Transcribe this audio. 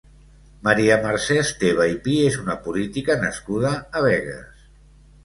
Maria Mercè Esteve i Pi és una política nascuda a Begues.